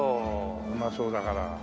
うまそうだから。